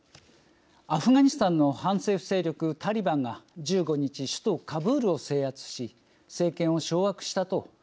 アフガニスタンの反政府勢力タリバンが１５日首都カブールを制圧し政権を掌握したと発表しました。